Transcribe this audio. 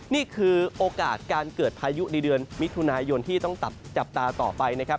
นี่คือโอกาสการเกิดพายุในเดือนมิถุนายนที่ต้องจับตาต่อไปนะครับ